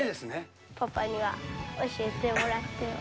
パパには教えてもらってます。